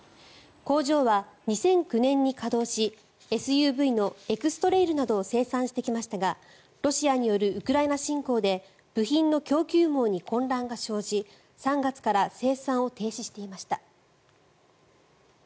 工場は２００９年に稼働しＳＵＶのエクストレイルなどを生産してきましたがロシアによるウクライナ侵攻で部品の供給網に混乱が生じ３月から生産を停止していました。